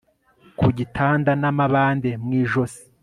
kugitanda namabande mwijosi